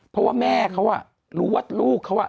เพราะว่าแม่เขารู้ว่าลูกเขา